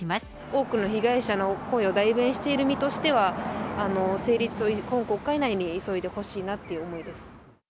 多くの被害者の声を代弁している身としては、成立を今国会内に急いでほしいなっていう思いです。